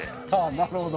なるほど。